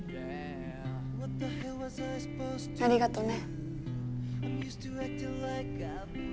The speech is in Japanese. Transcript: ありがとね。